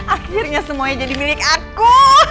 akhirnya semuanya jadi milik aku